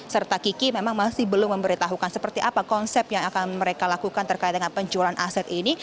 serta kiki memang masih belum memberitahukan seperti apa konsep yang akan mereka lakukan terkait dengan penjualan aset ini